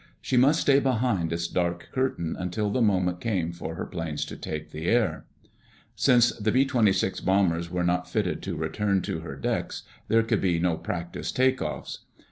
She must stay behind its dark curtain until the moment came for her planes to take the air. Since the B 26 bombers were not fitted to return to her decks, there could be no practice take offs.